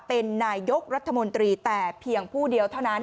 เป็นนายกรัฐมนตรีแต่เพียงผู้เดียวเท่านั้น